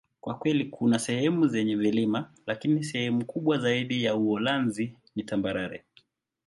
Kwa kweli, kuna sehemu zenye vilima, lakini sehemu kubwa zaidi ya Uholanzi ni tambarare.